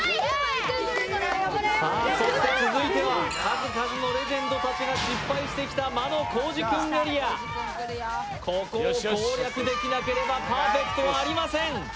続いては数々のレジェンドたちが失敗してきた魔のコージくんエリア、ここを攻略できなければパーフェクトはありません。